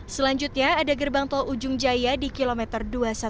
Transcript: selanjutnya ada gerbang tol ujung jaya di kilometer dua ratus sepuluh